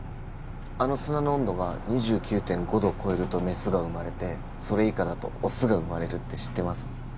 あの砂の温度が２９．５度を超えるとメスが生まれてそれ以下だとオスが生まれるって知ってます？